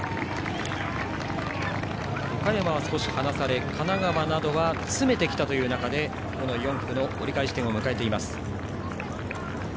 岡山は少し離され神奈川などは詰めてきたという中で４区の折り返し地点です。